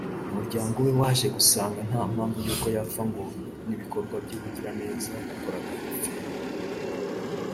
umuryango we waje gusanga nta mpamvu y’uko yapfa ngo n’ibikorwa by’ubugiraneza yakoraga bipfe